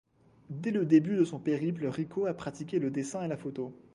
Dès le début de son périple Rico a pratiqué le dessin et la photo.